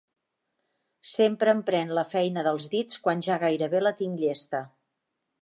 Sempre em pren la feina dels dits quan ja gairebé la tinc llesta.